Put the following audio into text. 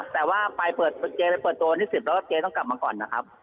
แต่ว่าเจ๊จะเปิดโตรนี้๑๐แล้วเจ๊ต้องกลับมาก่อนนะครับ